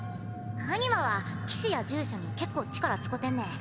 アニマは騎士や従者に結構力使てんねん。